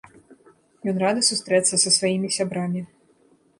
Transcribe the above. Ён рады сустрэцца са сваімі сябрамі.